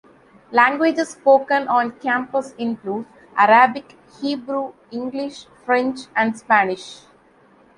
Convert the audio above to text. Languages spoken on campus include Arabic, Hebrew, English, French, and Spanish.